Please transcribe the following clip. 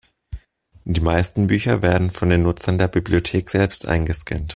Die meisten Bücher werden von den Nutzern der Bibliothek selbst eingescannt.